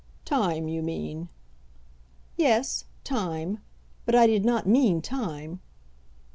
"Time, you mean." "Yes; time; but I did not mean time."